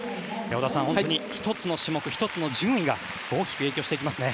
織田さん１つの種目、１つの順位が大きく影響してきますね。